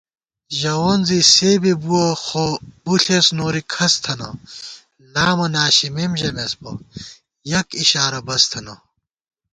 ژَوون زی سےبئ بُوَہ خو پݪېس نوری کھس تھنہ * لامہ ناشِمېم ژَمېس بہ یَک اِشارہ بس تھنہ